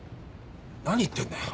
何言ってんだよ。